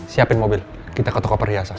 siapin mobil kita ke toko perhiasan